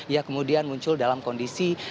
ia kemudian muncul dalam kondisi